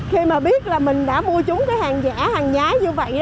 không biết là mình đã mua trúng cái hàng giả hàng nhái như vậy